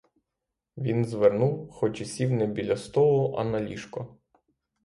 Він звернув, хоч і сів не біля столу, а на ліжко.